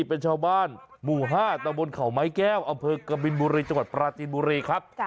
เป็นชาวบ้านหมู่๕ตะบนเขาไม้แก้วอำเภอกบินบุรีจังหวัดปราจีนบุรีครับ